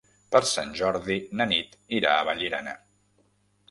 Per Sant Jordi na Nit irà a Vallirana.